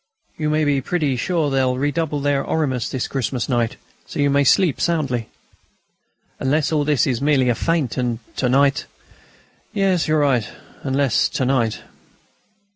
You may be pretty sure they'll redouble their Oremus this Christmas night, so you may sleep soundly." "Unless all this is merely a feint, and to night ..." "Yes, you're right, unless to night